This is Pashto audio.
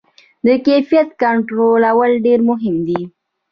د کیفیت کنټرول ډېر مهم دی.